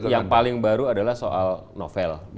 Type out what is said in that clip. yang paling baru adalah soal novel